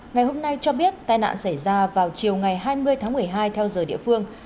ngày hôm nay cho biết tai nạn xảy ra vào chiều ngày hai mươi tháng một mươi hai theo giờ địa phương